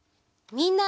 みんな！